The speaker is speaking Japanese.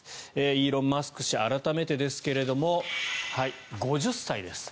イーロン・マスク氏改めてですけども５０歳です。